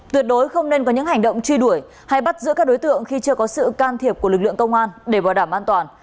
tuyệt đối không nên có những hành động truy đuổi hay bắt giữ các đối tượng khi chưa có sự can thiệp của lực lượng công an để bảo đảm an toàn